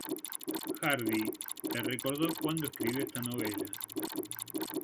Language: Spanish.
Hardy la recordó cuando escribió esta novela.